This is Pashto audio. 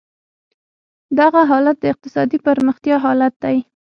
دغه حالت د اقتصادي پرمختیا حالت دی.